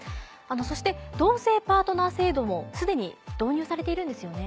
そして同性パートナー制度も既に導入されているんですよね。